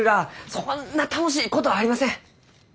そんな楽しいことありません！